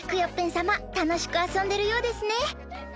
さまたのしくあそんでるようですね。